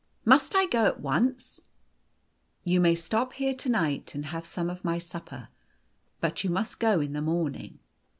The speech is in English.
" Must I go at once ?"" You may stop here to night, and have some of my supper. But you must go in the morning.